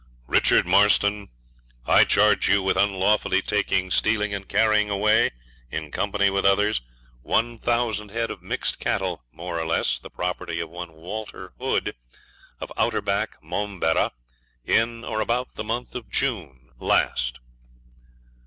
'Richard Marston, I charge you with unlawfully taking, stealing, and carrying away, in company with others, one thousand head of mixed cattle, more or less the property of one Walter Hood, of Outer Back, Momberah, in or about the month of June last.'